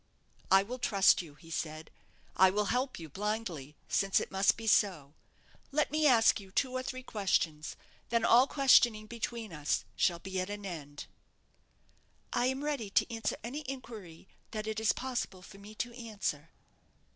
"I will trust you," he said; "I will help you, blindly, since it must be so. Let me ask you two or three questions, then all questioning between us shall be at an end." "I am ready to answer any inquiry that it is possible for me to answer."